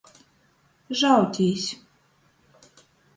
Žautīs.